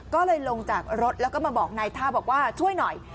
ก็เลยลงจากรถแล้วก็มาบอกนายท่าบอกว่าช่วยหน่อย